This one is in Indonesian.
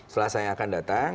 selasa yang akan datang